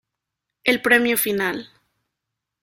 El premio final.